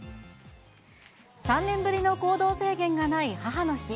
３年ぶりの行動制限がない母の日。